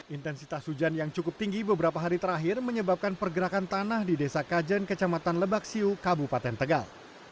intensitas hujan yang cukup tinggi beberapa hari terakhir menyebabkan pergerakan tanah di desa kajen kecamatan lebak siu kabupaten tegal